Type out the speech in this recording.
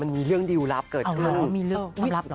มันมีเรื่องดิวลับเกิดนะ